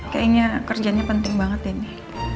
kayaknya kerjanya penting banget ya ini